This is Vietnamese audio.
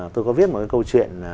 tôi có viết một cái câu chuyện